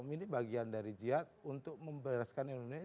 ini bagian dari jihad untuk membereskan indonesia